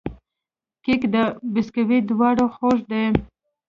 کیک او بسکوټ دواړه خوږې دي.